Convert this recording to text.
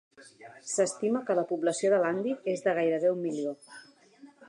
S'estima que la població de Landhi és de gairebé un milió.